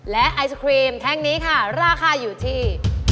และไอศครีมแท่งนี้ค่ะราคาอยู่ที่